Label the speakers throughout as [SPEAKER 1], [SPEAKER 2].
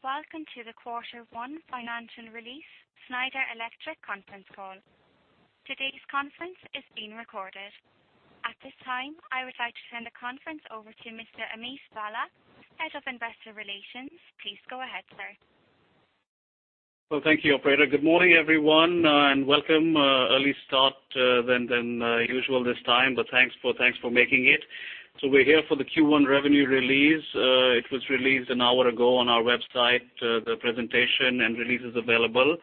[SPEAKER 1] Welcome to the Quarter One Financial Release, Schneider Electric conference call. Today's conference is being recorded. At this time, I would like to turn the conference over to Mr. Amit Bhalla, Head of Investor Relations. Please go ahead, sir.
[SPEAKER 2] Thank you, operator. Good morning, everyone, and welcome. Early start than usual this time. Thanks for making it. We're here for the Q1 revenue release. It was released an hour ago on our website. The presentation and release is available.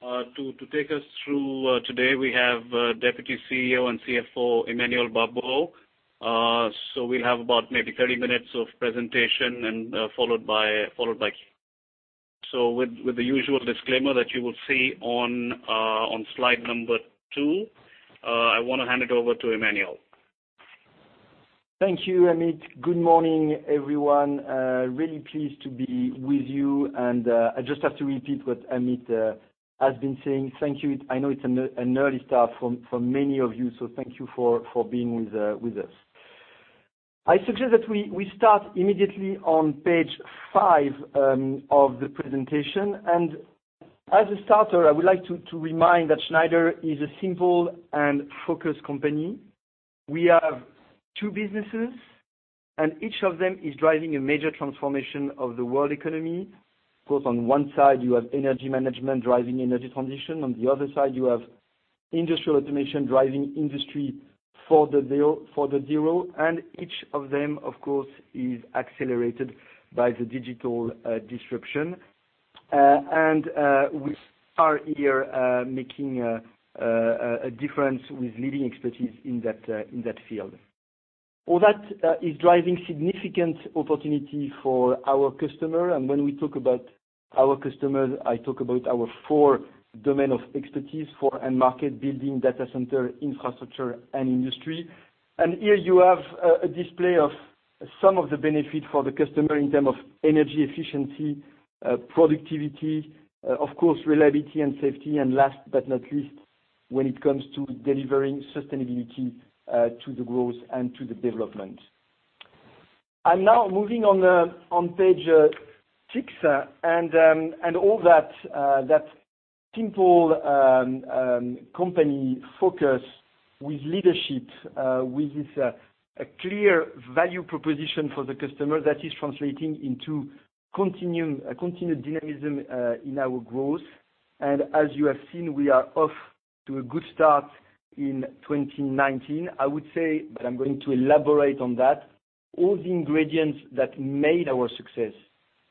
[SPEAKER 2] To take us through today, we have Deputy CEO and CFO, Emmanuel Babeau. We'll have about maybe 30 minutes of presentation, followed by Q&A. With the usual disclaimer that you will see on slide number two, I want to hand it over to Emmanuel.
[SPEAKER 3] Thank you, Amit. Good morning, everyone. Really pleased to be with you. I just have to repeat what Amit has been saying. Thank you. I know it's an early start for many of you. Thank you for being with us. I suggest that we start immediately on page five of the presentation. As a starter, I would like to remind that Schneider is a simple and focused company. We have two businesses. Each of them is driving a major transformation of the world economy. Of course, on one side you have energy management driving energy transition. On the other side you have industrial automation driving Industry 4.0. Each of them, of course, is accelerated by the digital disruption. We are here making a difference with leading expertise in that field. All that is driving significant opportunity for our customer. When we talk about our customers, I talk about our four domain of expertise, four end market, building, data center, infrastructure, and industry. Here you have a display of some of the benefit for the customer in term of energy efficiency, productivity, of course, reliability and safety, and last but not least, when it comes to delivering sustainability to the growth and to the development. I'm now moving on page six. All that simple company focus with leadership, with this clear value proposition for the customer that is translating into continued dynamism in our growth. As you have seen, we are off to a good start in 2019. I would say. I'm going to elaborate on that. All the ingredients that made our success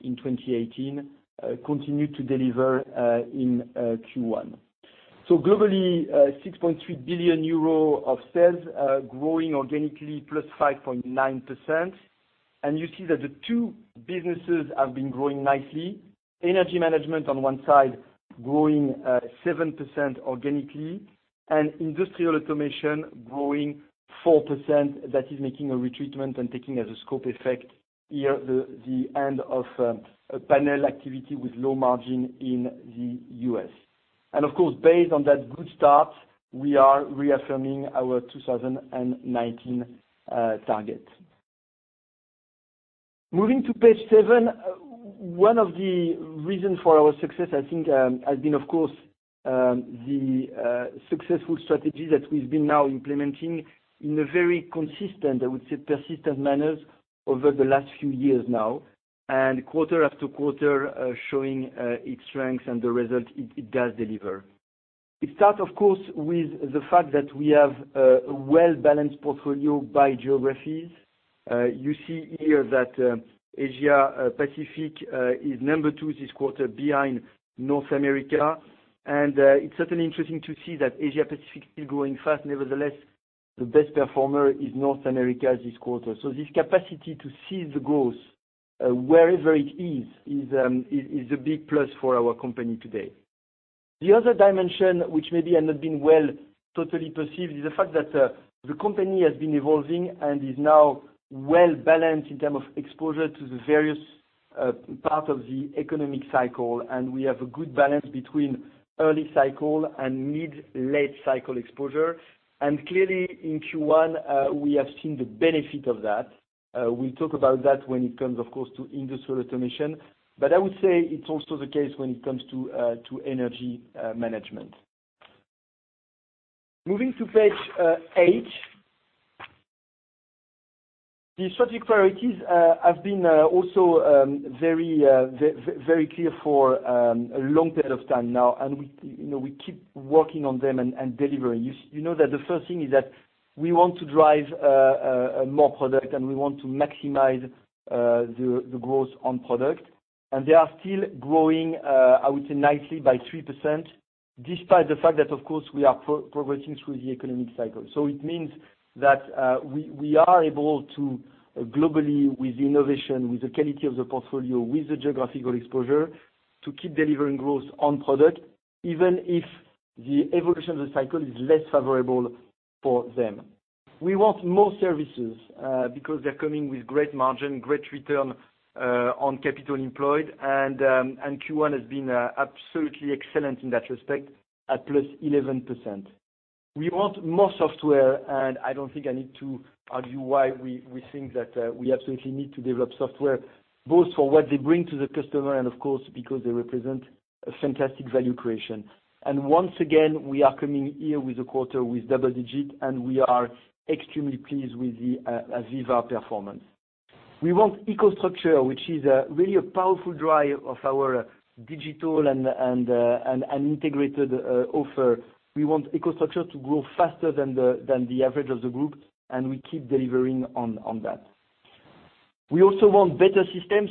[SPEAKER 3] in 2018 continue to deliver in Q1. Globally, 6.3 billion euro of sales, growing organically plus 5.9%. You see that the two businesses have been growing nicely. Energy management on one side growing 7% organically, industrial automation growing 4%. That is making a retreatment and taking as a scope effect here the end of a panel activity with low margin in the U.S. Of course, based on that good start, we are reaffirming our 2019 target. Moving to page seven. One of the reasons for our success, I think, has been, of course, the successful strategy that we've been now implementing in a very consistent, I would say, persistent manner over the last few years now. Quarter after quarter, showing its strengths and the result it does deliver. It starts, of course, with the fact that we have a well-balanced portfolio by geographies. You see here that Asia Pacific is number two this quarter behind North America. It's certainly interesting to see that Asia Pacific is growing fast. Nevertheless, the best performer is North America this quarter. This capacity to seize the growth wherever it is a big plus for our company today. The other dimension, which maybe had not been well totally perceived, is the fact that the company has been evolving and is now well-balanced in terms of exposure to the various parts of the economic cycle, and we have a good balance between early cycle and mid, late cycle exposure. Clearly in Q1, we have seen the benefit of that. We'll talk about that when it comes, of course, to industrial automation. I would say it's also the case when it comes to energy management. Moving to page eight. The strategic priorities have been also very clear for a long period of time now. We keep working on them and delivering. You know that the first thing is that we want to drive more product. We want to maximize the growth on product. They are still growing, I would say nicely by 3%, despite the fact that, of course, we are progressing through the economic cycle. It means that we are able to globally, with the innovation, with the quality of the portfolio, with the geographical exposure, to keep delivering growth on product, even if the evolution of the cycle is less favorable for them. We want more services, because they're coming with great margin, great return on capital employed, and Q1 has been absolutely excellent in that respect at plus 11%. We want more software. I don't think I need to argue why we think that we absolutely need to develop software, both for what they bring to the customer and of course, because they represent a fantastic value creation. Once again, we are coming here with a quarter with double digit, and we are extremely pleased with the AVEVA performance. We want EcoStruxure, which is really a powerful drive of our digital and integrated offer. We want EcoStruxure to grow faster than the average of the group. We keep delivering on that. We also want better systems.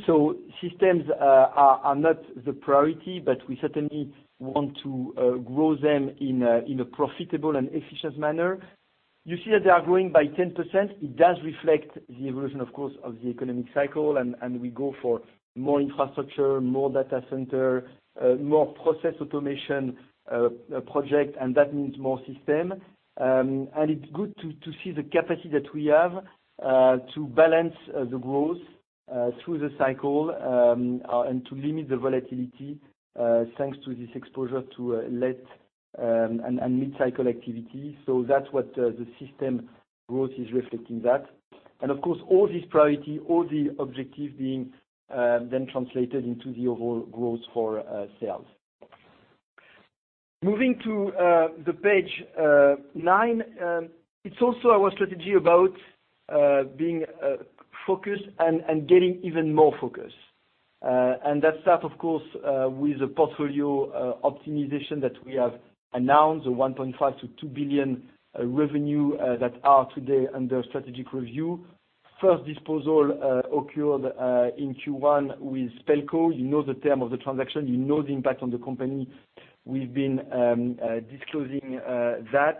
[SPEAKER 3] Systems are not the priority, but we certainly want to grow them in a profitable and efficient manner. You see that they are growing by 10%. It does reflect the evolution, of course, of the economic cycle, we go for more infrastructure, more data center, more process automation project, and that means more system. It's good to see the capacity that we have to balance the growth through the cycle, and to limit the volatility, thanks to this exposure to late and mid-cycle activity. That's what the system growth is reflecting that. Of course, all this priority, all the objective being then translated into the overall growth for sales. Moving to page nine. It's also our strategy about being focused and getting even more focused. That start, of course, with the portfolio optimization that we have announced, the 1.5 billion-2 billion revenue that are today under strategic review. First disposal occurred in Q1 with Pelco. You know the term of the transaction, you know the impact on the company. We've been disclosing that.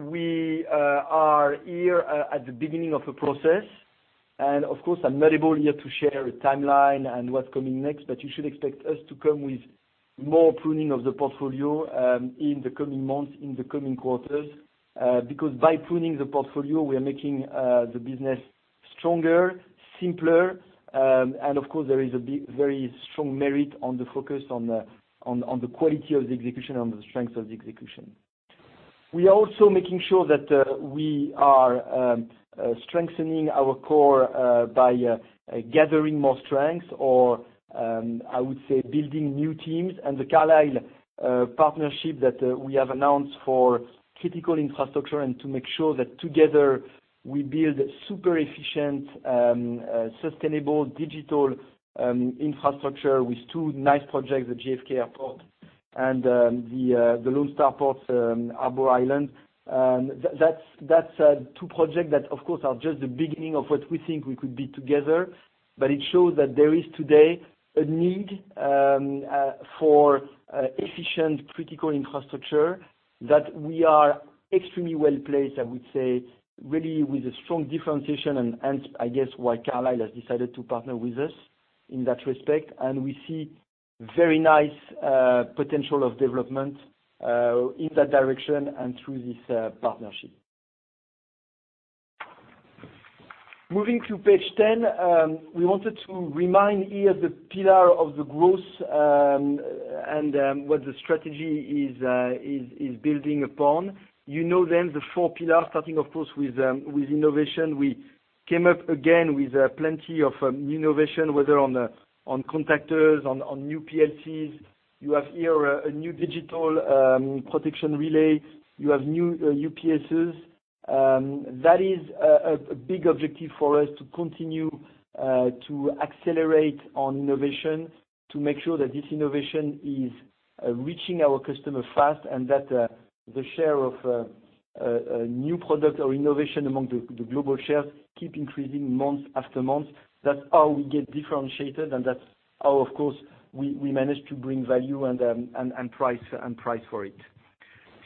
[SPEAKER 3] We are here at the beginning of a process. Of course, I'm not able here to share a timeline and what's coming next, but you should expect us to come with more pruning of the portfolio in the coming months, in the coming quarters. By pruning the portfolio, we are making the business stronger, simpler. Of course, there is a very strong merit on the focus on the quality of the execution and the strength of the execution. We are also making sure that we are strengthening our core by gathering more strength or, I would say, building new teams, the Carlyle partnership that we have announced for critical infrastructure to make sure that together we build super efficient, sustainable digital infrastructure with two nice projects, the JFK airport and the Lone Star Ports, Harbor Island. That's two project that, of course, are just the beginning of what we think we could be together, but it shows that there is today a need for efficient critical infrastructure that we are extremely well-placed, I would say, really with a strong differentiation hence, I guess why Carlyle has decided to partner with us in that respect. We see very nice potential of development in that direction and through this partnership. Moving to page 10. We wanted to remind here the pillar of the growth, what the strategy is building upon. You know then the four pillars starting, of course, with innovation. We came up again with plenty of innovation, whether on contactors, on new PLCs. You have here a new digital protection relay. You have new UPSs. That is a big objective for us to continue, to accelerate on innovation, to make sure that this innovation is reaching our customer fast and that the share of new product or innovation among the global shares keep increasing month after month. That's how we get differentiated and that's how, of course, we manage to bring value and price for it.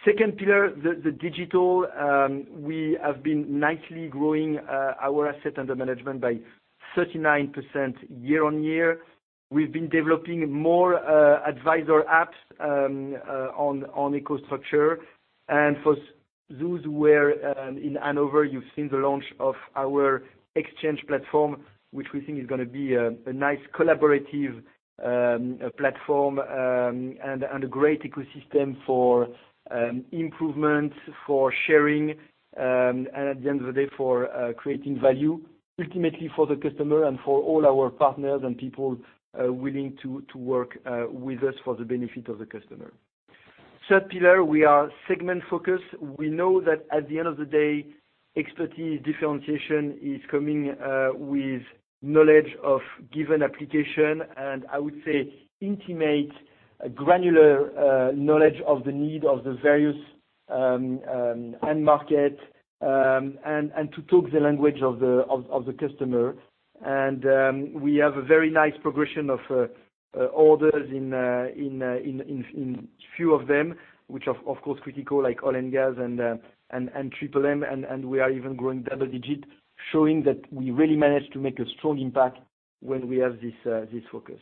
[SPEAKER 3] Second pillar, the digital. We have been nicely growing our asset under management by 39% year-on-year. We've been developing more advisor apps on EcoStruxure. For those who were in Hannover, you've seen the launch of our Exchange platform, which we think is going to be a nice collaborative platform, a great ecosystem for improvement, for sharing, and at the end of the day, for creating value ultimately for the customer and for all our partners and people willing to work with us for the benefit of the customer. Third pillar. We are segment-focused. We know that at the end of the day, expertise differentiation is coming with knowledge of given application. I would say intimate, granular knowledge of the need of the various end market, and to talk the language of the customer. We have a very nice progression of orders in few of them, which are of course critical like oil and gas and MMM. We are even growing double digit, showing that we really managed to make a strong impact when we have this focus.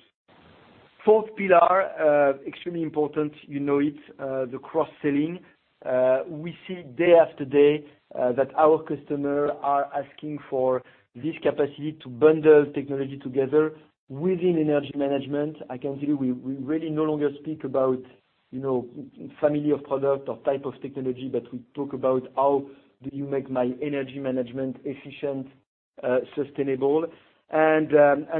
[SPEAKER 3] Fourth pillar. Extremely important. You know it, the cross-selling. We see day after day that our customer are asking for this capacity to bundle technology together within energy management. I can tell you, we really no longer speak about family of product or type of technology, but we talk about how do you make my energy management efficientSustainable.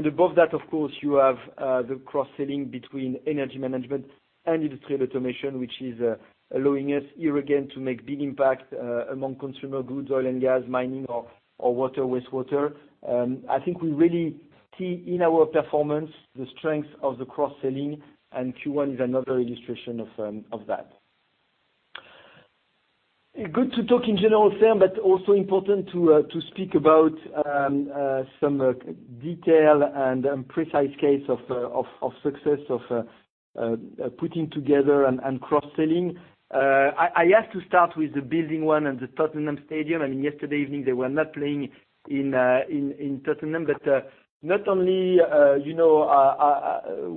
[SPEAKER 3] Above that, of course, you have the cross-selling between energy management and industrial automation, which is allowing us here again to make big impact among consumer goods, oil and gas, mining, or wastewater. I think we really see in our performance the strength of the cross-selling, and Q1 is another illustration of that. Good to talk in general term, but also important to speak about some detail and precise case of success, of putting together and cross-selling. I have to start with the building one and the Tottenham Stadium. Yesterday evening, they were not playing in Tottenham, but not only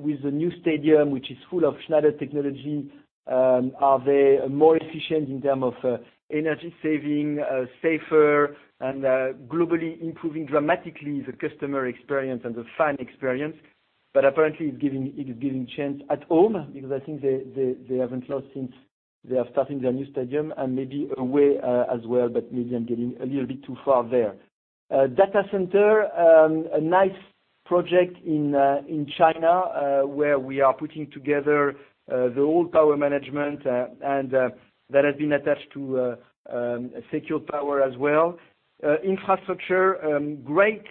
[SPEAKER 3] with the new stadium, which is full of Schneider technology, are they more efficient in term of energy saving, safer, and globally improving dramatically the customer experience and the fan experience, but apparently it's giving chance at home, because I think they haven't lost since they are starting their new stadium, and maybe away as well, but maybe I'm getting a little bit too far there. Data center. A nice project in China, where we are putting together the old power management, and that has been attached to secured power as well. Infrastructure. Great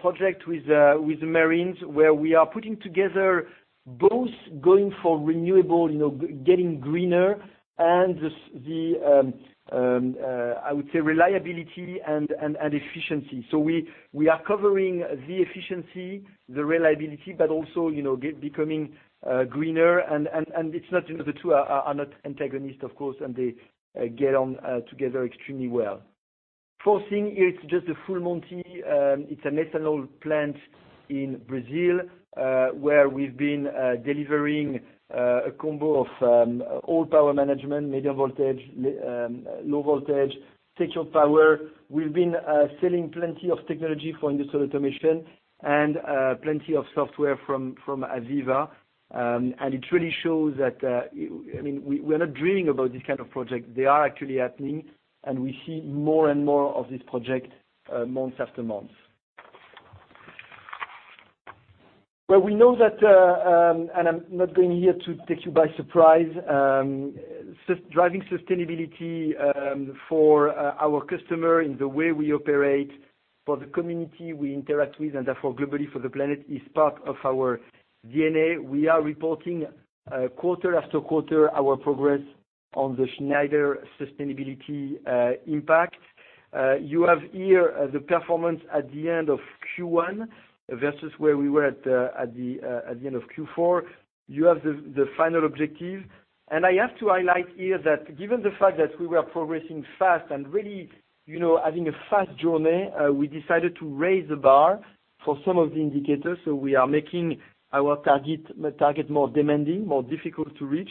[SPEAKER 3] project with the Marines where we are putting together both going for renewable, getting greener, and the, I would say, reliability and efficiency. We are covering the efficiency, the reliability, but also becoming greener, and the two are not antagonist, of course, and they get on together extremely well. Fourth thing. It's just the full monty. It's an ethanol plant in Brazil, where we've been delivering a combo of all power management, medium voltage, low voltage, secured power. We've been selling plenty of technology for industrial automation and plenty of software from AVEVA. It really shows that we're not dreaming about this kind of project. They are actually happening, and we see more and more of this project month after month. We know that, I'm not going here to take you by surprise, driving sustainability for our customer in the way we operate, for the community we interact with, therefore globally for the planet, is part of our DNA. We are reporting quarter after quarter our progress on the Schneider Sustainability Impact. You have here the performance at the end of Q1 versus where we were at the end of Q4. You have the final objective. I have to highlight here that given the fact that we were progressing fast and really having a fast journey, we decided to raise the bar for some of the indicators. We are making our target more demanding, more difficult to reach,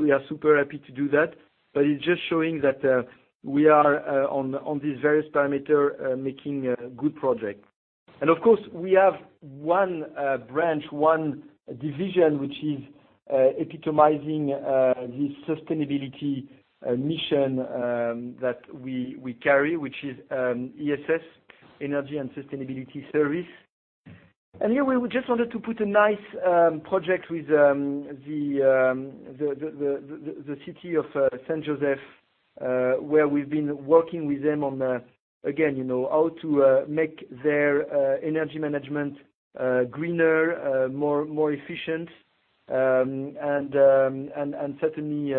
[SPEAKER 3] we are super happy to do that. It's just showing that we are on this various parameter, making good progress. Of course, we have one branch, one division, which is epitomizing this sustainability mission that we carry, which is ESS, Energy and Sustainability Service. Here we just wanted to put a nice project with the city of Saint Joseph, where we've been working with them on, again, how to make their energy management greener, more efficient, and certainly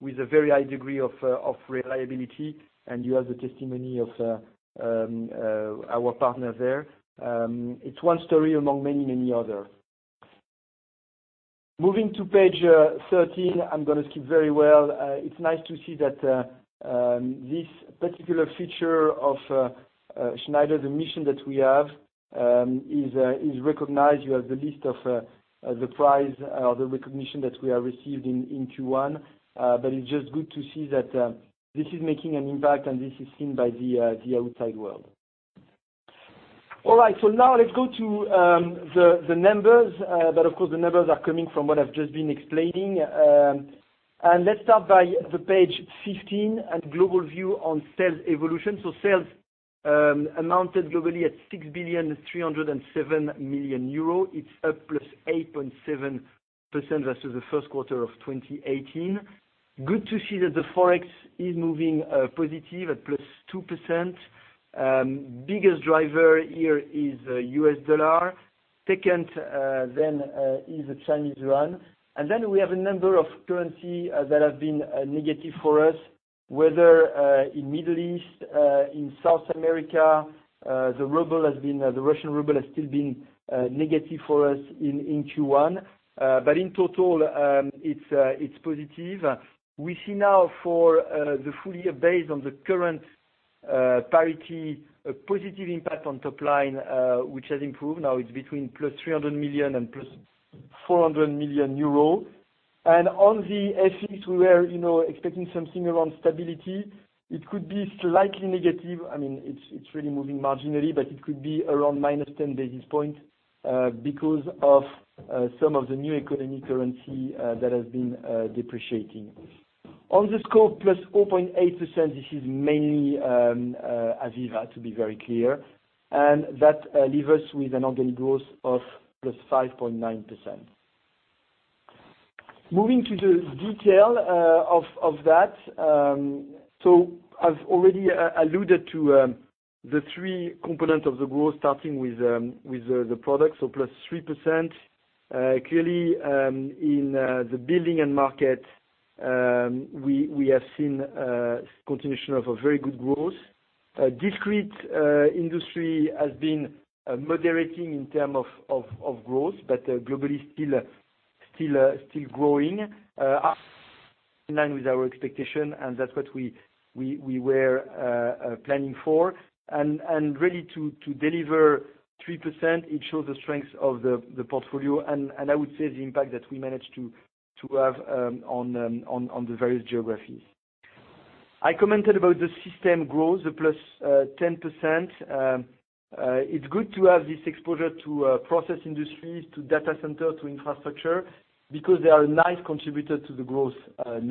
[SPEAKER 3] with a very high degree of reliability, and you have the testimony of our partner there. It's one story among many other. Moving to page 13, I'm going to skip. It's nice to see that this particular feature of Schneider, the mission that we have, is recognized. You have the list of the prize or the recognition that we have received in Q1. It's just good to see that this is making an impact and this is seen by the outside world. All right. Now let's go to the numbers, the numbers are coming from what I've just been explaining. Let's start by the page 15 and global view on sales evolution. Sales amounted globally at 6.307 billion. It's up +8.7% versus the first quarter of 2018. Good to see that the Forex is moving positive at +2%. Biggest driver here is the US dollar. Second then is the Chinese yuan. Then we have a number of currency that have been negative for us, whether in Middle East, in South America. The Russian ruble has still been negative for us in Q1. In total, it's positive. We see now for the full year based on the current parity, a positive impact on top line, which has improved. Now it's between 300 million and 400 million euro. On the FX, we were expecting something around stability. It could be slightly negative. It's really moving marginally, it could be around -10 basis point because of some of the new economy currency that has been depreciating. On the scope, +0.8%, this is mainly AVEVA, to be very clear. That leaves us with an organic growth of +5.9%. Moving to the detail of that. I've already alluded to the three components of the growth, starting with the product, so +3%. Clearly, in the building end market, we have seen a continuation of a very good growth. Discrete industry has been moderating in term of growth, globally still growing. In line with our expectation, that's what we were planning for. Really to deliver 3%, it shows the strength of the portfolio and, I would say, the impact that we managed to have on the various geographies. I commented about the system growth, the +10%. It's good to have this exposure to process industries, to data center, to infrastructure, because they are a nice contributor to the growth. As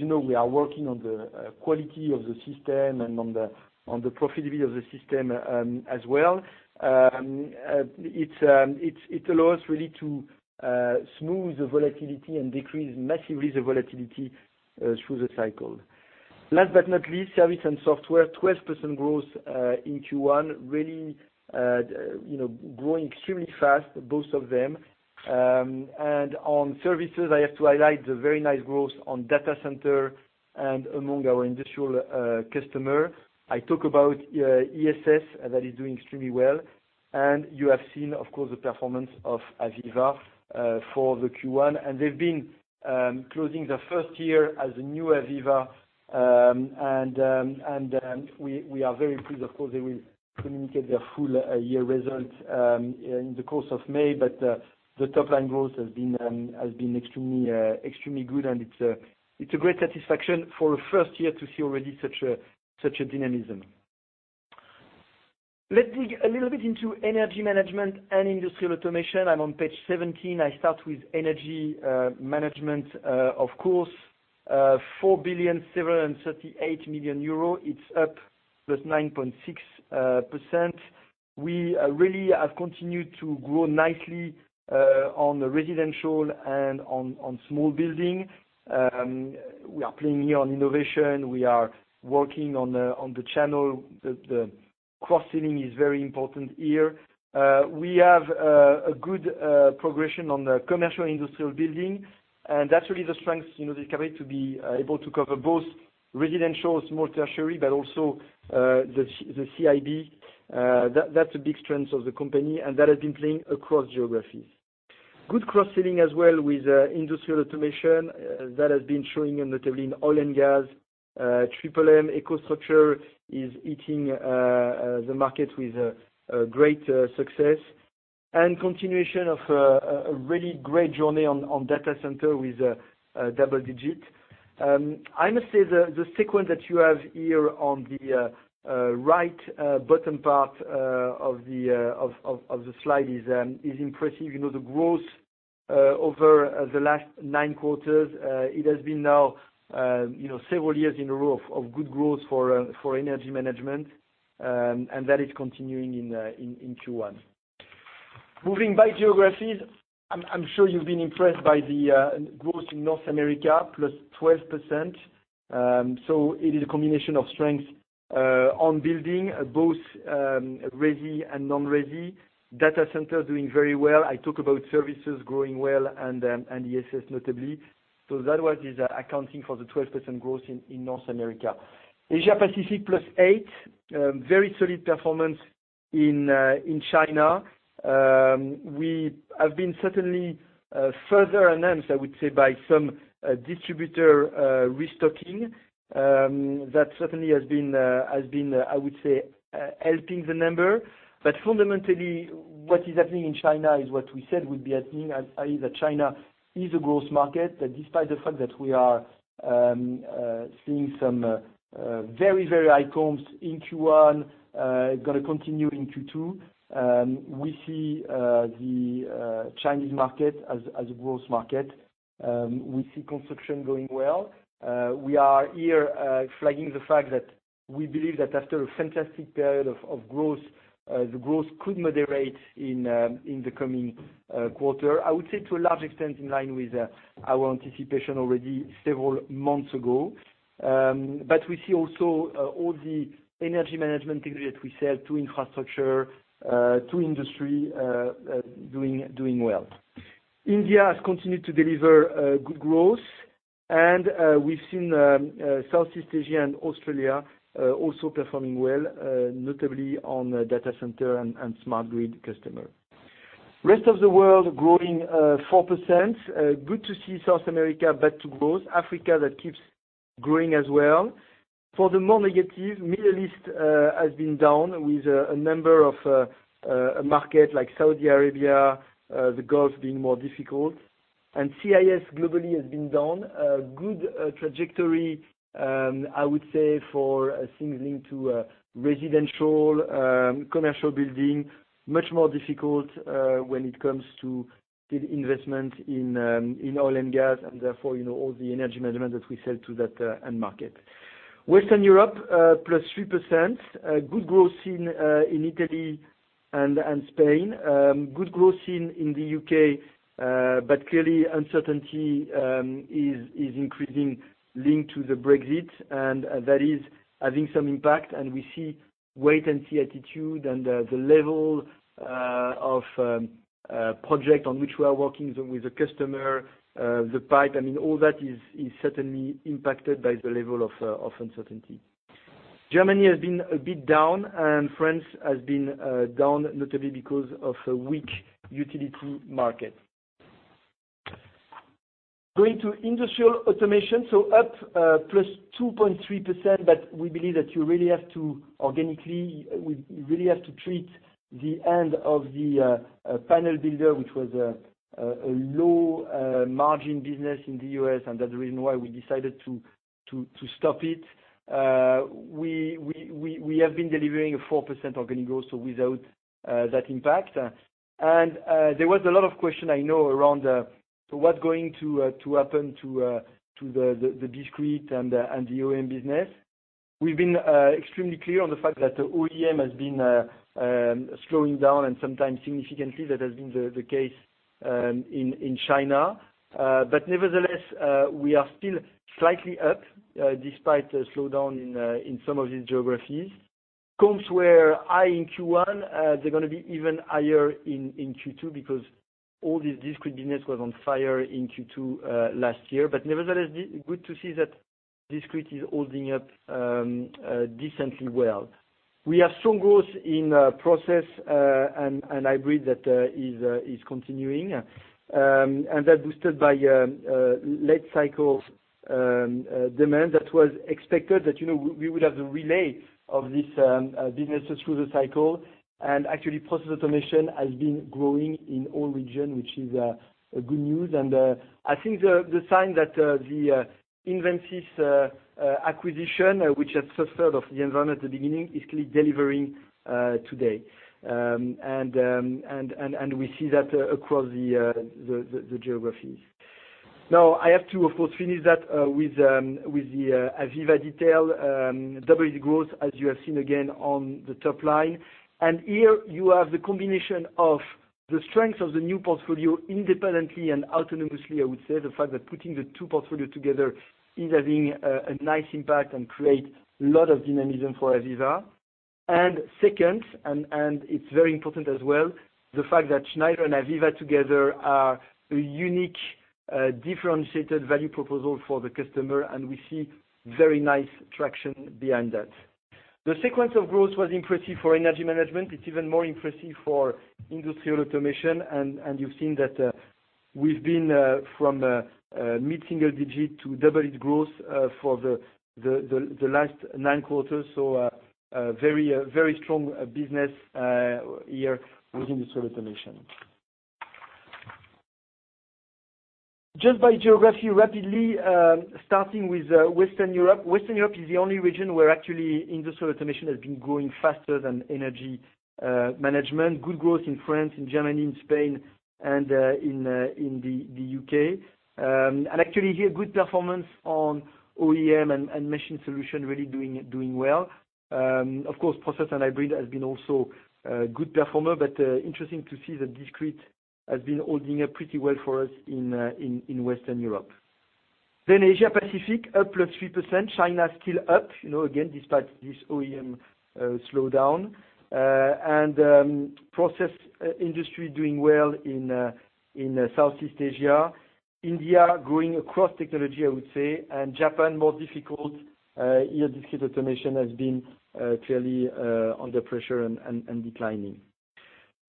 [SPEAKER 3] you know, we are working on the quality of the system and on the profitability of the system as well. It allows really to smooth the volatility and decrease massively the volatility through the cycle. Service and software, 12% growth in Q1. Really growing extremely fast, both of them. On services, I have to highlight the very nice growth on data center and among our industrial customer. I talk about ESS, that is doing extremely well. You have seen, of course, the performance of AVEVA for the Q1. They've been closing their first year as the new AVEVA, and we are very pleased. Of course, they will communicate their full year results in the course of May, but the top line growth has been extremely good, and it's a great satisfaction for a first year to see already such a dynamism. Let's dig a little bit into energy management and industrial automation. I'm on page 17. I start with energy management, of course. 4 billion 738 million. It's up +9.6%. We really have continued to grow nicely on the residential and on small building. We are playing here on innovation. We are working on the channel. The cross-selling is very important here. We have a good progression on the commercial industrial building, and that's really the strength, the capacity to be able to cover both residential, small tertiary, but also the CIB. That's a big strength of the company, and that has been playing across geographies. Good cross-selling as well with industrial automation. That has been showing notably in oil and gas. [3M EcoStruxure] is hitting the market with great success. Continuation of a really great journey on data center with double digit. I must say, the sequence that you have here on the right bottom part of the slide is impressive. The growth over the last nine quarters, it has been now several years in a row of good growth for energy management. That is continuing in Q1. Moving by geographies. I'm sure you've been impressed by the growth in North America, +12%. It is a combination of strength on building, both resi and non-resi. Data center doing very well. I talk about services growing well and ESS notably. That was accounting for the 12% growth in North America. Asia Pacific, +8. Very solid performance in China. We have been certainly further enhanced, I would say, by some distributor restocking. That certainly has been, I would say, helping the number. Fundamentally, what is happening in China is what we said would be happening, as is that China is a growth market. Despite the fact that we are seeing some very high comps in Q1, going to continue in Q2. We see the Chinese market as a growth market. We see construction going well. We are here flagging the fact that we believe that after a fantastic period of growth, the growth could moderate in the coming quarter. I would say to a large extent in line with our anticipation already several months ago. We see also all the energy management things that we sell to infrastructure, to industry, doing well. India has continued to deliver good growth. We've seen Southeast Asia and Australia also performing well, notably on data center and smart grid customer. Rest of the world growing 4%. Good to see South America back to growth. Africa, that keeps growing as well. For the more negative, Middle East has been down with a number of market like Saudi Arabia, the Gulf being more difficult. CIS globally has been down. A good trajectory, I would say, for things linked to residential, commercial building. Much more difficult when it comes to investment in oil and gas and therefore all the energy management that we sell to that end market. Western Europe, plus 3%. Good growth seen in Italy and Spain. Good growth seen in the U.K., clearly uncertainty is increasing, linked to the Brexit, and that is having some impact. We see wait-and-see attitude and the level of project on which we are working with the customer, the pipe, all that is certainly impacted by the level of uncertainty. Germany has been a bit down, France has been down, notably because of a weak utility market. Going to industrial automation, up plus 2.3%, we believe that you really have to, organically, we really have to treat the end of the panel builder, which was a low-margin business in the U.S., and that's the reason why we decided to stop it. We have been delivering a 4% organic growth, without that impact. There was a lot of question, I know, around what's going to happen to the discrete and the OEM business. We've been extremely clear on the fact that the OEM has been slowing down, and sometimes significantly. That has been the case in China. Nevertheless, we are still slightly up, despite a slowdown in some of these geographies. Comps were high in Q1. They're going to be even higher in Q2 because all this discrete business was on fire in Q2 last year. Nevertheless, good to see that discrete is holding up decently well. We have strong growth in process and hybrid that is continuing, and that boosted by late cycle demand that was expected, that we would have the relay of this business through the cycle. Actually, process automation has been growing in all region, which is good news. I think the sign that the Invensys acquisition, which has suffered of the environment at the beginning, is clearly delivering today. We see that across the geographies. I have to, of course, finish that with the AVEVA detail. Double its growth, as you have seen again on the top line. Here you have the combination of the strength of the new portfolio independently and autonomously, I would say the fact that putting the two portfolio together is having a nice impact and create lot of dynamism for AVEVA. Second, and it's very important as well, the fact that Schneider and AVEVA together are a unique, differentiated value proposal for the customer, and we see very nice traction behind that. The sequence of growth was impressive for energy management. It's even more impressive for industrial automation. You've seen that we've been from mid-single-digit to double its growth for the last nine quarters. A very strong business here with industrial automation. Just by geography, rapidly, starting with Western Europe. Western Europe is the only region where actually industrial automation has been growing faster than energy management. Good growth in France, in Germany, in Spain, and in the U.K. Actually here, good performance on OEM and machine solution, really doing well. Of course, process and hybrid has been also a good performer. Interesting to see that discrete has been holding up pretty well for us in Western Europe. Asia Pacific, up +3%. China still up, again, despite this OEM slowdown. Process industry doing well in Southeast Asia. India growing across technology, I would say. Japan, more difficult. Here, discrete automation has been clearly under pressure and declining.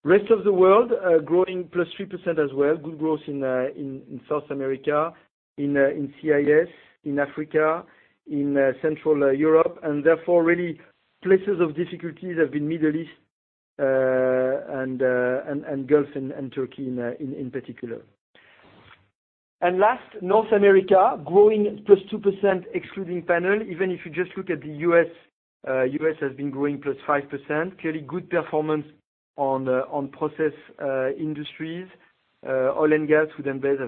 [SPEAKER 3] Rest of the world, growing +3% as well. Good growth in South America, in CIS, in Africa, in Central Europe, and therefore, really places of difficulties have been Middle East and Gulf and Turkey in particular. Last, North America, growing +2%, excluding panel. Even if you just look at the U.S., U.S. has been growing +5%. Clearly good performance on process industries. Oil and gas, food and beverage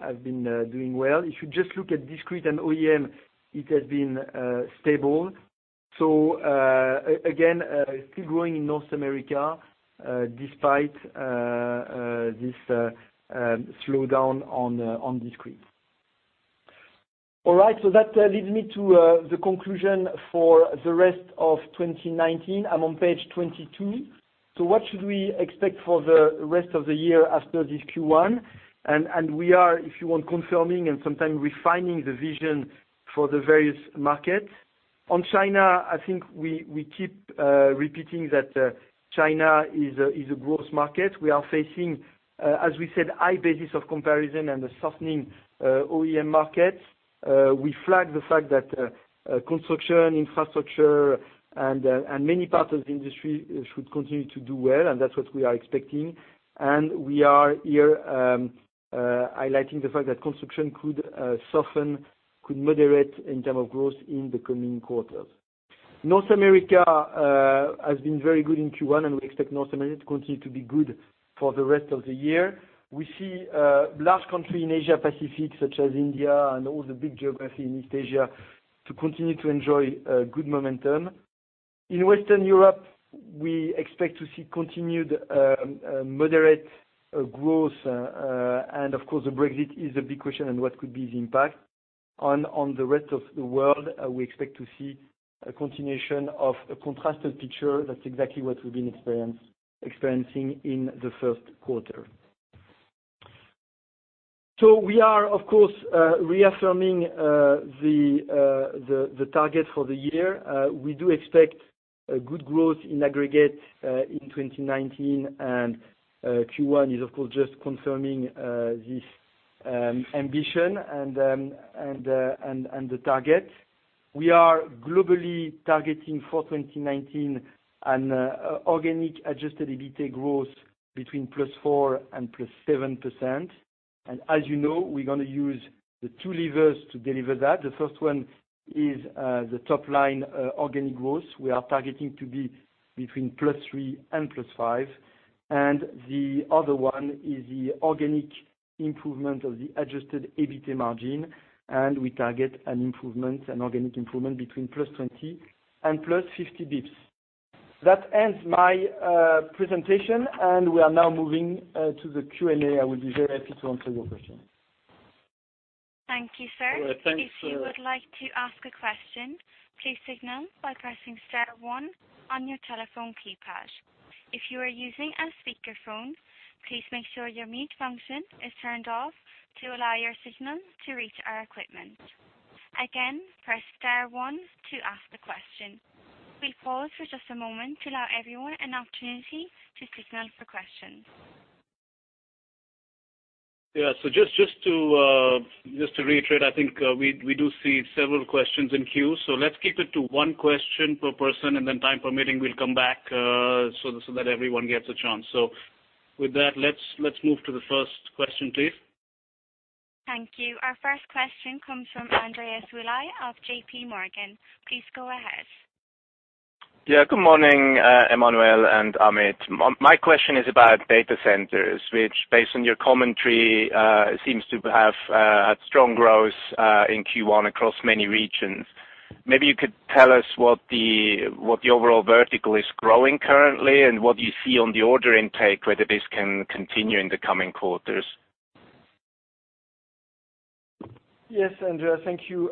[SPEAKER 3] have been doing well. If you just look at discrete and OEM, it has been stable. Again, still growing in North America, despite this slowdown on discrete. All right. That leads me to the conclusion for the rest of 2019. I'm on page 22. What should we expect for the rest of the year after this Q1? We are, if you want, confirming and sometime refining the vision for the various markets. On China, I think we keep repeating that China is a growth market. We are facing, as we said, high basis of comparison and a softening OEM market. We flag the fact that construction, infrastructure, and many parts of the industry should continue to do well, and that's what we are expecting. We are here highlighting the fact that construction could soften, could moderate in term of growth in the coming quarters. North America has been very good in Q1, and we expect North America to continue to be good for the rest of the year. We see a large country in Asia Pacific, such as India and all the big geography in East Asia, to continue to enjoy good momentum. In Western Europe, we expect to see continued moderate growth. Of course, the Brexit is a big question on what could be the impact. On the rest of the world, we expect to see a continuation of a contrasted picture, that's exactly what we've been experiencing in the first quarter. We are, of course, reaffirming the target for the year. We do expect a good growth in aggregate in 2019, and Q1 is, of course, just confirming this ambition and the target. We are globally targeting for 2019 an organic adjusted EBITA growth between +4% and +7%. As you know, we're going to use the two levers to deliver that. The first one is the top line organic growth. We are targeting to be between +3% and +5%. The other one is the organic improvement of the adjusted EBITA margin, and we target an organic improvement between +20 and +50 basis points. That ends my presentation, and we are now moving to the Q&A. I will be very happy to answer your questions.
[SPEAKER 1] Thank you, sir.
[SPEAKER 2] Thanks-
[SPEAKER 1] If you would like to ask a question, please signal by pressing star one on your telephone keypad. If you are using a speakerphone, please make sure your mute function is turned off to allow your signal to reach our equipment. Again, press star one to ask the question. We'll pause for just a moment to allow everyone an opportunity to signal for questions.
[SPEAKER 2] Yeah. Just to reiterate, I think we do see several questions in queue. Let's keep it to one question per person, and then time permitting, we'll come back so that everyone gets a chance. With that, let's move to the first question, please.
[SPEAKER 1] Thank you. Our first question comes from Andreas Willi of JPMorgan. Please go ahead.
[SPEAKER 4] Good morning, Emmanuel and Amit. My question is about data centers, which, based on your commentary, seems to have had strong growth in Q1 across many regions. Maybe you could tell us what the overall vertical is growing currently and what you see on the order intake, whether this can continue in the coming quarters.
[SPEAKER 3] Yes, Andreas. Thank you.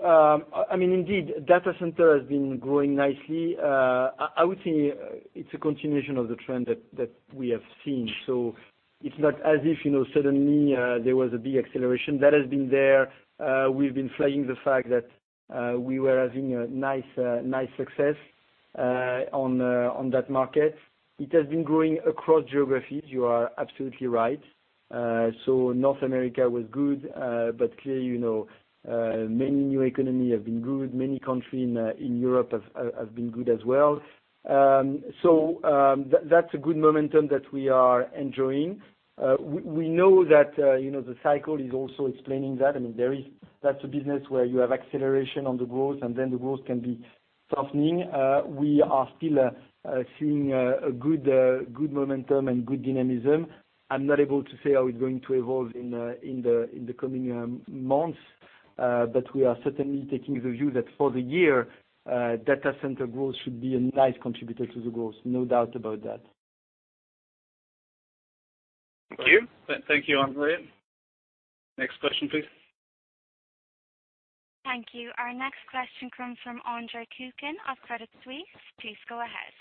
[SPEAKER 3] Indeed, data center has been growing nicely. I would say it's a continuation of the trend that we have seen. It's not as if suddenly there was a big acceleration. That has been there. We've been flagging the fact that we were having a nice success on that market. It has been growing across geographies. You are absolutely right. North America was good. Clearly, many new economy have been good. Many country in Europe have been good as well. That's a good momentum that we are enjoying. We know that the cycle is also explaining that. That's a business where you have acceleration on the growth, and then the growth can be softening. We are still seeing a good momentum and good dynamism. I'm not able to say how it's going to evolve in the coming months. We are certainly taking the view that for the year, data center growth should be a nice contributor to the growth. No doubt about that.
[SPEAKER 2] Thank you. Thank you, Andreas. Next question, please.
[SPEAKER 1] Thank you. Our next question comes from Andre Kukhnin of Credit Suisse. Please go ahead.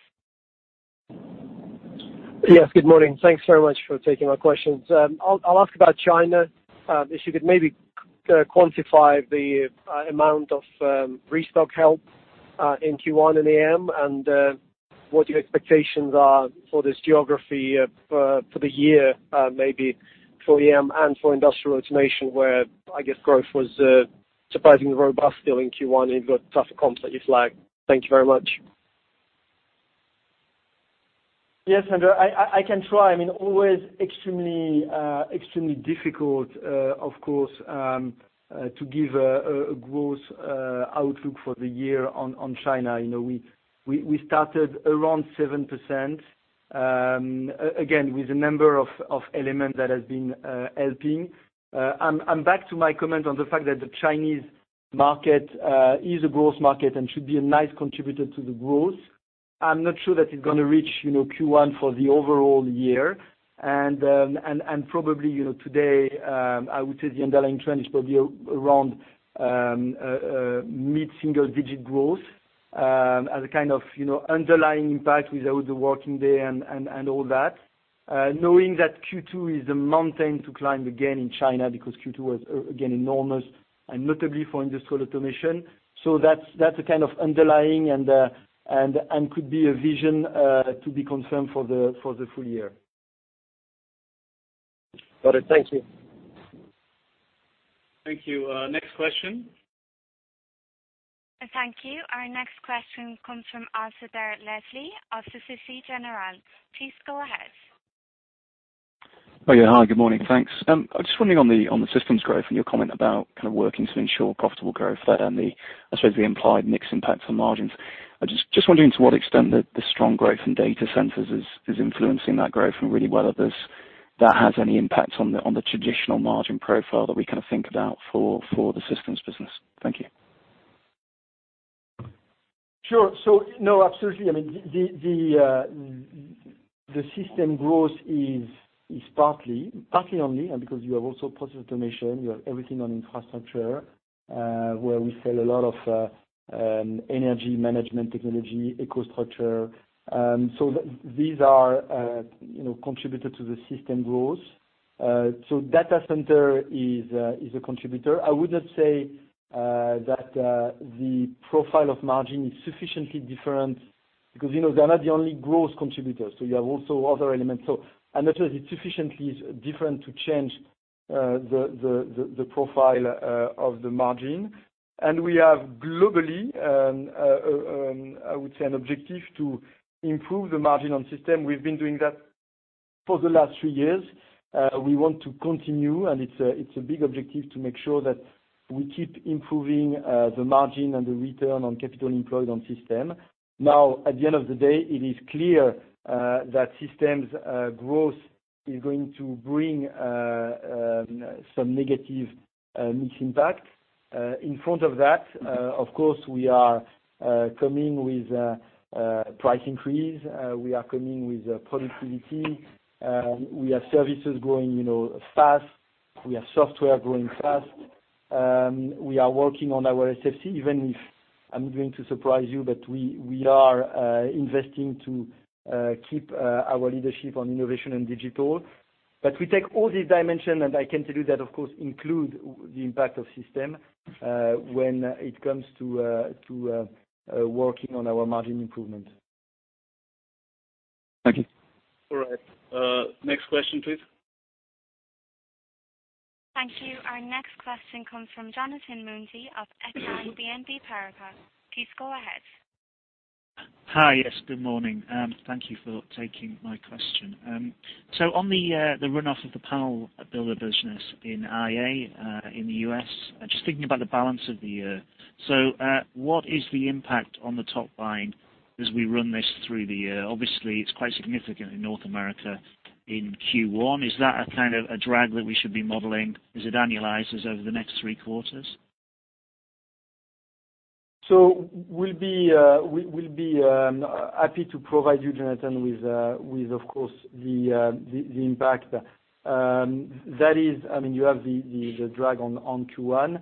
[SPEAKER 5] Yes, good morning. Thanks very much for taking my questions. I will ask about China. If you could maybe quantify the amount of restock help in Q1 in AM, what your expectations are for this geography for the year, maybe for EM and for industrial automation, where I guess growth was surprisingly robust still in Q1, you have got tougher comps that you flagged. Thank you very much.
[SPEAKER 3] Yes, Andre. I can try. Always extremely difficult, of course, to give a growth outlook for the year on China. We started around 7%, again, with a number of element that has been helping. I am back to my comment on the fact that the Chinese market is a growth market and should be a nice contributor to the growth. I am not sure that it is going to reach Q1 for the overall year. Probably today, I would say the underlying trend is probably around mid-single digit growth, as a kind of underlying impact without the working day and all that. Knowing that Q2 is a mountain to climb again in China, because Q2 was, again, enormous, notably for industrial automation. That is a kind of underlying and could be a vision to be confirmed for the full year.
[SPEAKER 5] Got it. Thank you.
[SPEAKER 2] Thank you. Next question.
[SPEAKER 1] Thank you. Our next question comes from Alasdair Leslie of Societe Generale. Please go ahead.
[SPEAKER 6] Oh yeah. Hi. Good morning. Thanks. I am just wondering on the systems growth and your comment about kind of working to ensure profitable growth there and the, I suppose, the implied mix impact on margins. I just wondering to what extent the strong growth in data centers is influencing that growth and really whether that has any impact on the traditional margin profile that we kind of think about for the systems business. Thank you.
[SPEAKER 3] Sure. No, absolutely. I mean, the system growth is partly only because you have also process automation, you have everything on infrastructure, where we sell a lot of energy management technology, EcoStruxure. These are contributed to the system growth. Data center is a contributor. I would not say that the profile of margin is sufficiently different because they're not the only growth contributors. You have also other elements. That is sufficiently different to change the profile of the margin. We have globally, I would say, an objective to improve the margin on system. We've been doing that for the last three years. We want to continue, and it's a big objective to make sure that we keep improving the margin and the return on capital employed on system. At the end of the day, it is clear that systems growth is going to bring some negative mix impact. In front of that, of course, we are coming with price increase. We are coming with productivity. We have services growing fast. We have software growing fast. We are working on our SFC, even if I'm going to surprise you, but we are investing to keep our leadership on innovation and digital. We take all these dimensions, and I can tell you that, of course, include the impact of system, when it comes to working on our margin improvement.
[SPEAKER 6] Thank you.
[SPEAKER 2] All right. Next question please.
[SPEAKER 1] Thank you. Our next question comes from Jonathan Mounsey of Exane BNP Paribas. Please go ahead.
[SPEAKER 7] Hi. Yes, good morning. Thank you for taking my question. On the runoff of the panel builder business in IA, in the U.S., just thinking about the balance of the year. What is the impact on the top line as we run this through the year? Obviously, it's quite significant in North America in Q1. Is that a kind of a drag that we should be modeling as it annualizes over the next three quarters?
[SPEAKER 3] We'll be happy to provide you, Jonathan, with of course the impact. That is, you have the drag on Q1.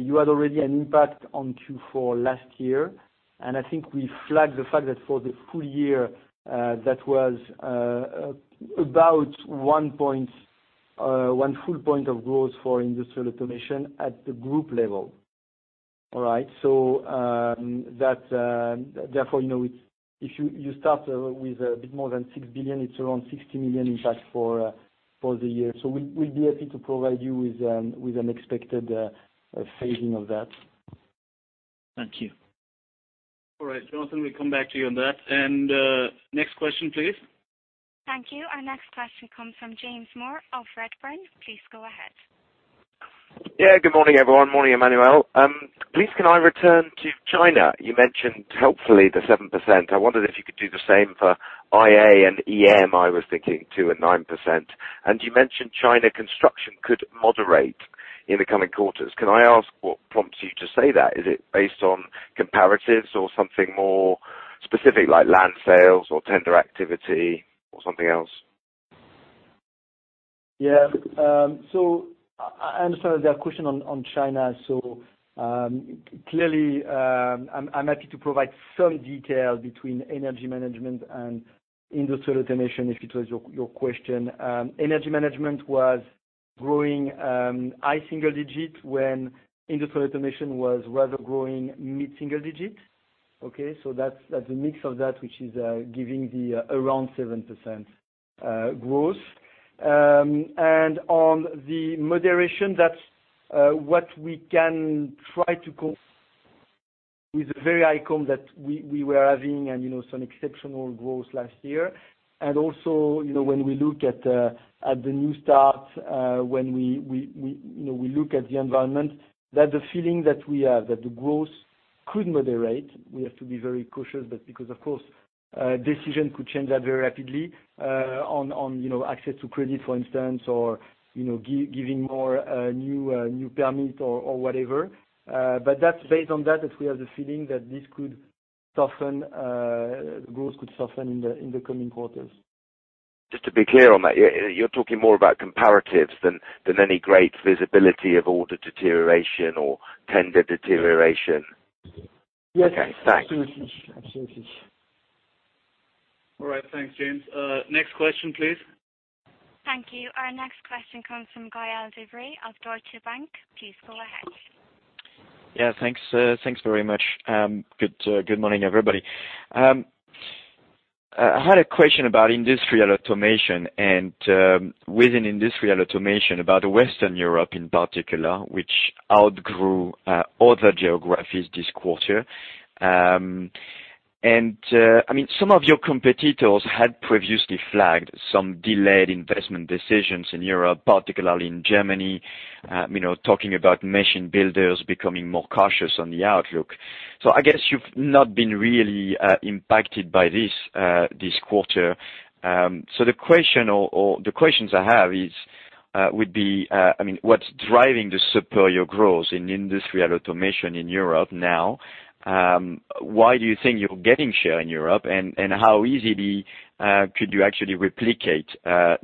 [SPEAKER 3] You had already an impact on Q4 last year, and I think we flagged the fact that for the full year, that was about one full point of growth for Industrial Automation at the group level. All right? Therefore, if you start with a bit more than 6 billion, it's around 60 million impact for the year. We'll be happy to provide you with an expected phasing of that.
[SPEAKER 7] Thank you.
[SPEAKER 2] All right, Jonathan, we'll come back to you on that. Next question please.
[SPEAKER 1] Thank you. Our next question comes from James Moore of Redburn. Please go ahead.
[SPEAKER 8] Yeah. Good morning, everyone. Morning, Emmanuel. Please, can I return to China? You mentioned helpfully the 7%. I wondered if you could do the same for IA and EM, I was thinking 2% and 9%. You mentioned China construction could moderate in the coming quarters. Can I ask what prompts you to say that? Is it based on comparatives or something more specific like land sales or tender activity or something else?
[SPEAKER 3] Yeah. I understand there are questions on China. Clearly, I'm happy to provide some detail between Energy management and Industrial Automation, if it was your question. Energy management was growing high single digit when Industrial Automation was rather growing mid-single digit. Okay? That's the mix of that, which is giving the around 7% growth. On the moderation, that's what we can try to with the very high conviction that we were having and some exceptional growth last year. Also, when we look at the new starts, when we look at the environment, that's the feeling that we have, that the growth could moderate. We have to be very cautious because, of course, decision could change that very rapidly, on access to credit, for instance, or giving more new permit or whatever. That's based on that we have the feeling that this could soften, growth could soften in the coming quarters.
[SPEAKER 8] Just to be clear on that, you're talking more about comparatives than any great visibility of order deterioration or tender deterioration?
[SPEAKER 3] Yes.
[SPEAKER 8] Okay. Thanks.
[SPEAKER 3] Absolutely.
[SPEAKER 2] All right. Thanks, James. Next question please.
[SPEAKER 1] Thank you. Our next question comes from Gael De Bray of Deutsche Bank. Please go ahead.
[SPEAKER 9] Yeah, thanks very much. Good morning, everybody. I had a question about Industrial Automation and within Industrial Automation about Western Europe in particular, which outgrew other geographies this quarter. And some of your competitors had previously flagged some delayed investment decisions in Europe, particularly in Germany, talking about machine builders becoming more cautious on the outlook. I guess you've not been really impacted by this quarter. The question or the questions I have would be what's driving the superior growth in Industrial Automation in Europe now? Why do you think you're getting share in Europe, and how easily could you actually replicate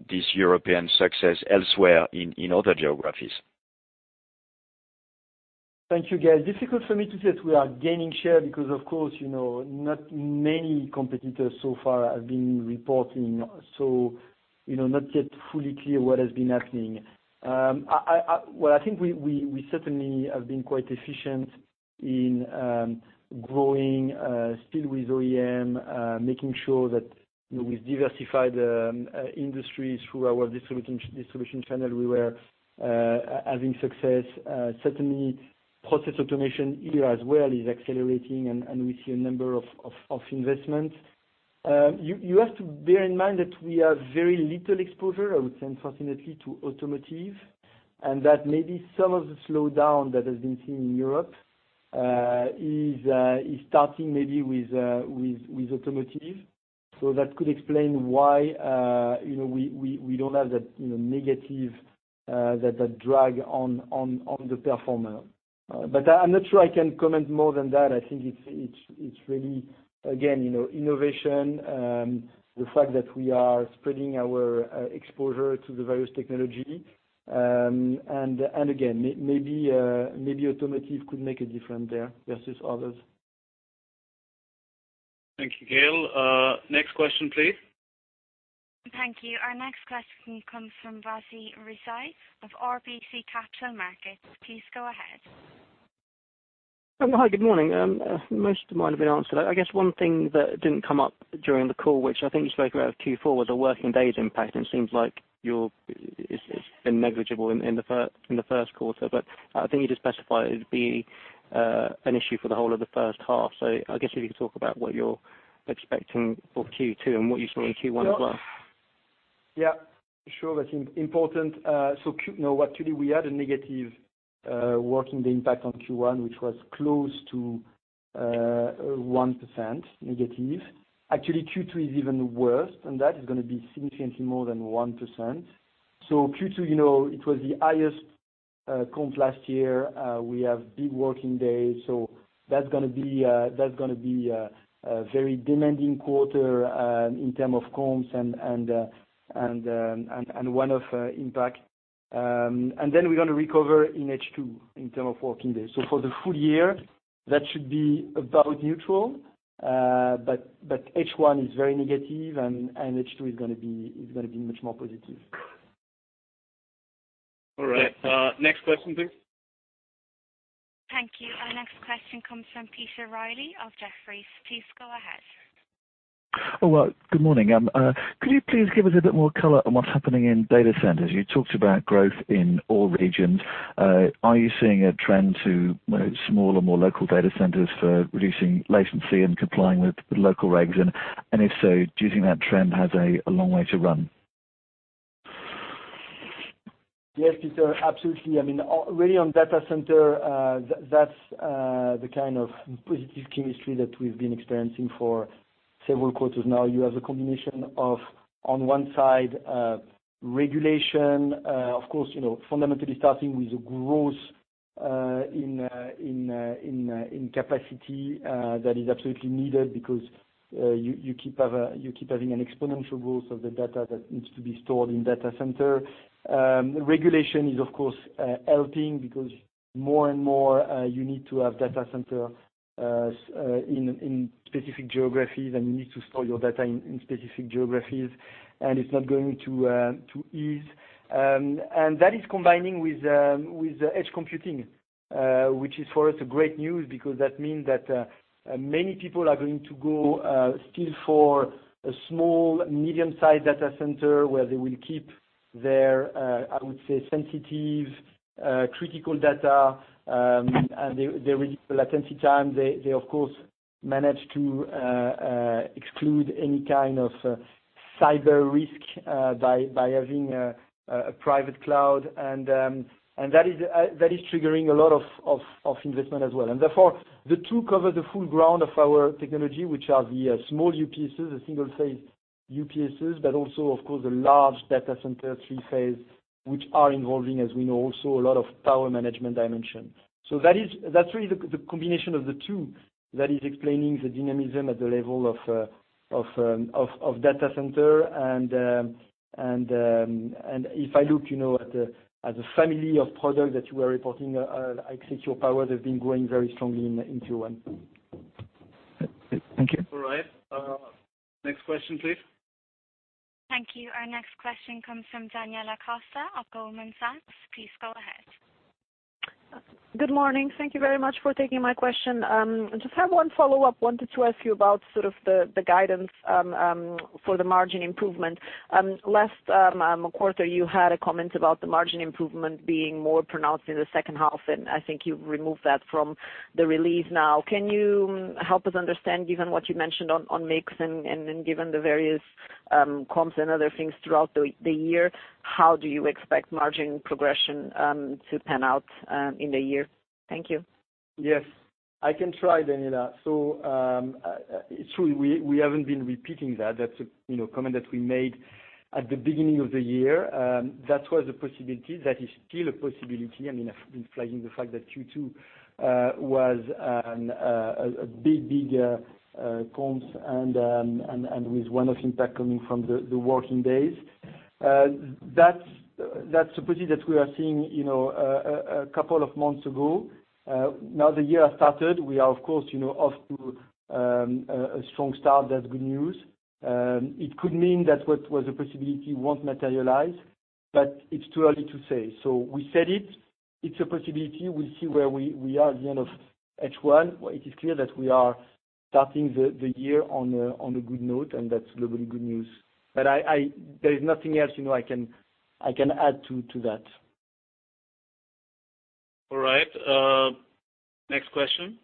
[SPEAKER 9] this European success elsewhere in other geographies?
[SPEAKER 3] Thank you, Gael. Difficult for me to say that we are gaining share because, of course, not many competitors so far have been reporting. Not yet fully clear what has been happening. Well, I think we certainly have been quite efficient in growing, still with OEM, making sure that we've diversified industry through our distribution channel. We were having success. Certainly process automation here as well is accelerating, and we see a number of investments. You have to bear in mind that we have very little exposure, I would say, unfortunately, to automotive, and that maybe some of the slowdown that has been seen in Europe is starting maybe with automotive. That could explain why we don't have that negative, that drag on the performer. I'm not sure I can comment more than that. I think it's really, again, innovation, the fact that we are spreading our exposure to the various technology. Again, maybe automotive could make a difference there versus others.
[SPEAKER 2] Thank you, Gael. Next question, please.
[SPEAKER 1] Thank you. Our next question comes from Wasi Rizvi of RBC Capital Markets. Please go ahead.
[SPEAKER 10] Hi, good morning. Most of mine have been answered. I guess one thing that didn't come up during the call, which I think you spoke about Q4, was a working days impact, and it seems like it's been negligible in the first quarter, but I think you just specified it as being an issue for the whole of the first half. I guess if you could talk about what you're expecting for Q2 and what you saw in Q1 as well.
[SPEAKER 3] Yeah, sure. That's important. Actually, we had a negative working day impact on Q1, which was close to 1% negative. Actually, Q2 is even worse, and that is going to be significantly more than 1%. Q2, it was the highest comps last year. We have big working days, so that's going to be a very demanding quarter in term of comps and one-off impact. Then we're going to recover in H2 in term of working days. For the full year, that should be about neutral. H1 is very negative, and H2 is going to be much more positive.
[SPEAKER 2] All right. Next question, please.
[SPEAKER 1] Thank you. Our next question comes from Peter Reilly of Jefferies. Please go ahead.
[SPEAKER 11] Well, good morning. Could you please give us a bit more color on what's happening in data centers? You talked about growth in all regions. Are you seeing a trend to smaller, more local data centers for reducing latency and complying with local regs? If so, do you think that trend has a long way to run?
[SPEAKER 3] Yes, Peter, absolutely. Really on data center, that's the kind of positive chemistry that we've been experiencing for several quarters now. You have the combination of, on one side, regulation, of course, fundamentally starting with the growth in capacity, that is absolutely needed because you keep having an exponential growth of the data that needs to be stored in data center. Regulation is, of course, helping because more and more, you need to have data center in specific geographies, and you need to store your data in specific geographies, and it's not going to ease. That is combining with edge computing, which is for us great news because that means that many people are going to go still for a small, medium-sized data center where they will keep their, I would say, sensitive, critical data, and they reduce the latency time. They, of course, manage to exclude any kind of cyber risk by having a private cloud. That is triggering a lot of investment as well. Therefore, the two cover the full ground of our technology, which are the small UPSs, the single-phase UPSs, but also, of course, the large data center three-phase, which are involving, as we know, also a lot of power management dimension. That's really the combination of the two that is explaining the dynamism at the level of data center. If I look at the family of products that you are reporting, I think your power has been growing very strongly in Q1.
[SPEAKER 11] Thank you.
[SPEAKER 2] All right. Next question, please.
[SPEAKER 1] Thank you. Our next question comes from Daniela Costa of Goldman Sachs. Please go ahead.
[SPEAKER 12] Good morning. Thank you very much for taking my question. I just have one follow-up. Wanted to ask you about the guidance for the margin improvement. Last quarter, you had a comment about the margin improvement being more pronounced in the second half, and I think you've removed that from the release now. Can you help us understand, given what you mentioned on mix and given the various comps and other things throughout the year, how do you expect margin progression to pan out in the year? Thank you.
[SPEAKER 3] Yes. I can try, Daniela. It's true, we haven't been repeating that. That's a comment that we made at the beginning of the year. That was a possibility. That is still a possibility. I've been flagging the fact that Q2 was a big comps and with one-off impact coming from the working days. That's a possibility that we are seeing a couple of months ago. Now the year has started, we are of course, off to a strong start. That's good news. It could mean that what was a possibility won't materialize, but it's too early to say. We said it's a possibility. We'll see where we are at the end of H1. It is clear that we are starting the year on a good note, and that's globally good news. There is nothing else I can add to that.
[SPEAKER 2] All right. Next question.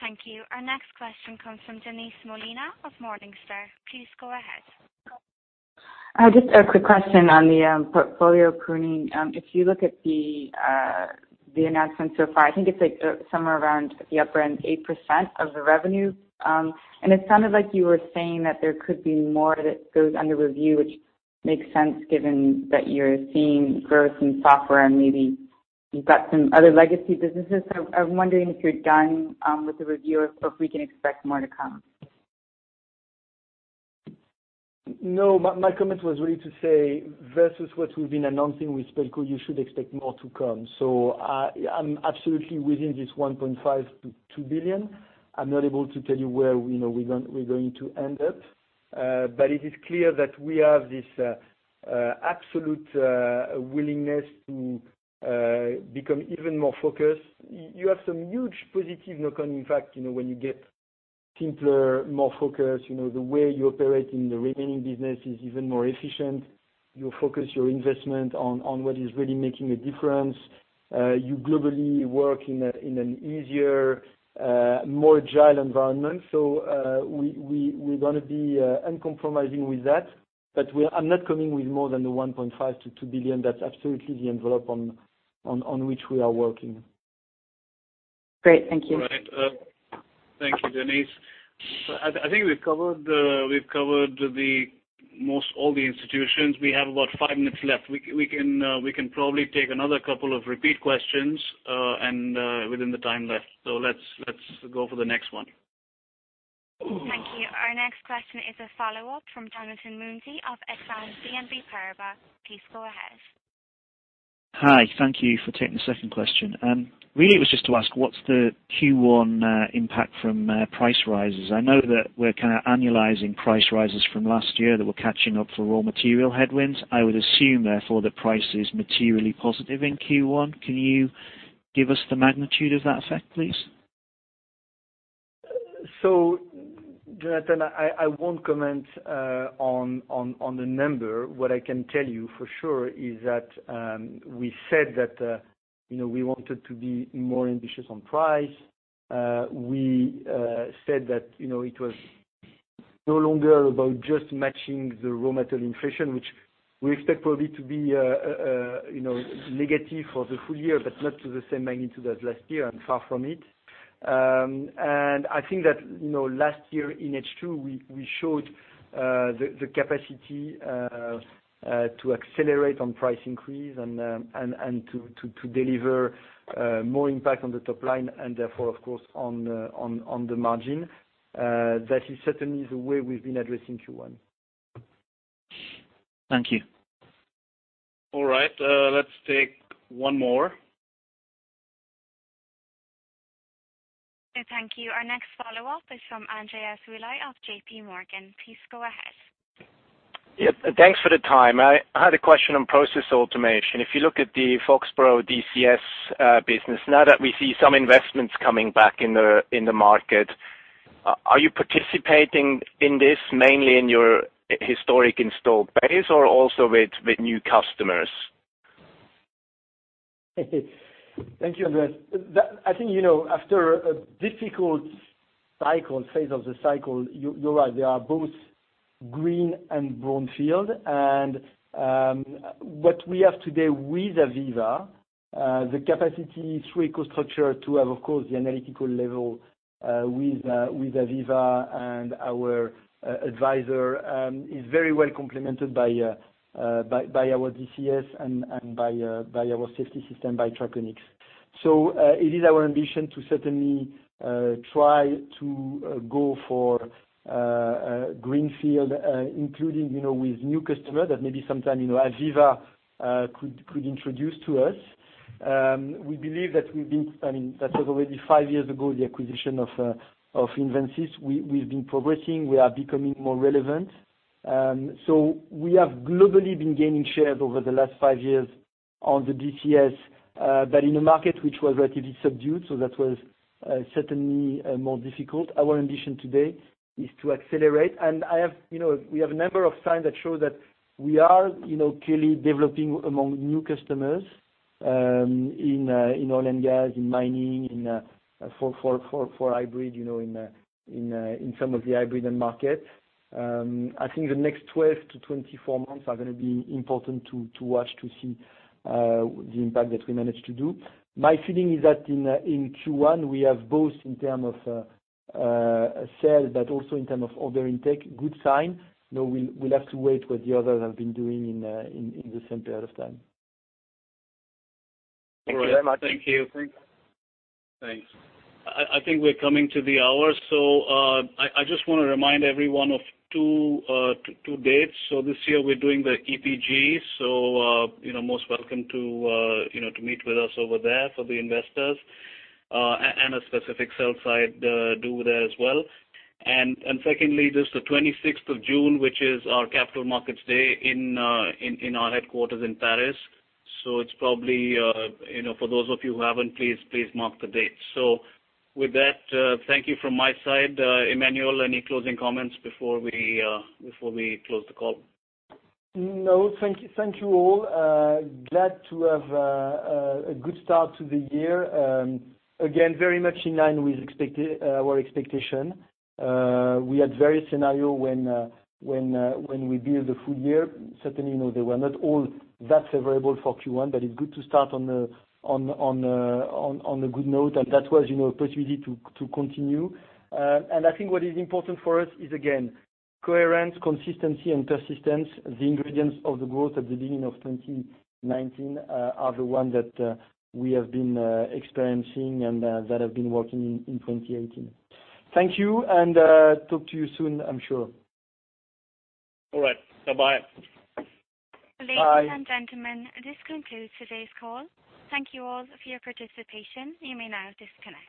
[SPEAKER 1] Thank you. Our next question comes from Denise Molina of Morningstar. Please go ahead.
[SPEAKER 13] Just a quick question on the portfolio pruning. If you look at the announcements so far, I think it's somewhere around the upper end, 8% of the revenue. It sounded like you were saying that there could be more that goes under review, which makes sense given that you're seeing growth in software and maybe you've got some other legacy businesses. I'm wondering if you're done with the review or if we can expect more to come.
[SPEAKER 3] No, my comment was really to say versus what we've been announcing with SpecCo, you should expect more to come. I'm absolutely within this 1.5 billion-2 billion. I'm not able to tell you where we're going to end up. It is clear that we have this absolute willingness to become even more focused. You have some huge positive knock-on effect, when you get simpler, more focused, the way you operate in the remaining business is even more efficient. You focus your investment on what is really making a difference. You globally work in an easier, more agile environment. We're going to be uncompromising with that. I'm not coming with more than the 1.5 billion-2 billion. That's absolutely the envelope on which we are working.
[SPEAKER 13] Great. Thank you.
[SPEAKER 2] All right. Thank you, Denise. I think we've covered most all the institutions. We have about five minutes left. We can probably take another couple of repeat questions and within the time left. Let's go for the next one.
[SPEAKER 1] Thank you. Our next question is a follow-up from Jonathan Mounsey of Exane BNP Paribas. Please go ahead.
[SPEAKER 7] Hi. Thank you for taking the second question. It was just to ask what's the Q1 impact from price rises. I know that we're kind of annualizing price rises from last year that we're catching up for raw material headwinds. I would assume, therefore, the price is materially positive in Q1. Can you give us the magnitude of that effect, please?
[SPEAKER 3] Jonathan, I won't comment on the number. What I can tell you for sure is that we said that we wanted to be more ambitious on price. We said that it was no longer about just matching the raw material inflation, which we expect probably to be negative for the full year, but not to the same magnitude as last year and far from it. I think that last year in H2, we showed the capacity to accelerate on price increase and to deliver more impact on the top line and therefore, of course, on the margin. That is certainly the way we've been addressing Q1.
[SPEAKER 7] Thank you.
[SPEAKER 2] All right. Let's take one more.
[SPEAKER 1] Thank you. Our next follow-up is from Andreas Willi of JPMorgan. Please go ahead.
[SPEAKER 4] Yeah. Thanks for the time. I had a question on process automation. If you look at the Foxboro DCS business, now that we see some investments coming back in the market, are you participating in this mainly in your historic installed base or also with new customers?
[SPEAKER 3] Thank you, Andreas. I think, after a difficult cycle, phase of the cycle, you are right, they are both green and brown field. What we have today with AVEVA, the capacity through EcoStruxure to have, of course, the analytical level with AVEVA and our advisor is very well complemented by our DCS and by our safety system, by Triconex. It is our ambition to certainly try to go for greenfield, including with new customer that maybe sometime AVEVA could introduce to us. We believe that that was already five years ago, the acquisition of Invensys. We have been progressing. We are becoming more relevant. So we have globally been gaining shares over the last five years on the DCS, but in a market which was relatively subdued, so that was certainly more difficult. Our ambition today is to accelerate. We have a number of signs that show that we are clearly developing among new customers, in oil and gas, in mining, for hybrid, in some of the hybrid end market. I think the next 12-24 months are going to be important to watch, to see the impact that we manage to do. My feeling is that in Q1, we have both, in terms of sales but also in terms of order intake, good sign. We'll have to wait what the others have been doing in the same period of time.
[SPEAKER 4] Thank you very much.
[SPEAKER 2] All right. Thank you. Thanks. I think we're coming to the hour. I just want to remind everyone of two dates. This year, we're doing the EPG. Most welcome to meet with us over there for the investors, and a specific sell-side day there as well. Secondly, there's the 26th of June, which is our Capital Markets Day in our headquarters in Paris. It's probably, for those of you who haven't, please mark the date. With that, thank you from my side. Emmanuel, any closing comments before we close the call?
[SPEAKER 3] No. Thank you all. Glad to have a good start to the year. Again, very much in line with our expectation. We had various scenario when we build the full year. Certainly, they were not all that favorable for Q1. It's good to start on a good note, and that was a possibility to continue. I think what is important for us is, again, coherence, consistency, and persistence. The ingredients of the growth at the beginning of 2019 are the one that we have been experiencing and that have been working in 2018. Thank you. Talk to you soon, I'm sure. All right. Bye-bye. Bye.
[SPEAKER 1] Ladies and gentlemen, this concludes today's call. Thank you all for your participation. You may now disconnect.